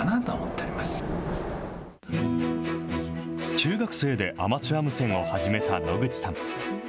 中学生でアマチュア無線を始めた野口さん。